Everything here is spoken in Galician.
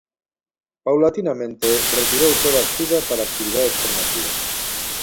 Paulatinamente retirou toda axuda para actividades formativas.